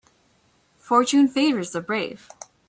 Fortune favours the brave.